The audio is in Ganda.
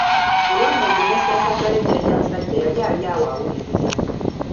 Olwo nno mbu ne Ssenkaggale Jjajja musajja yali ali awo awuliriza.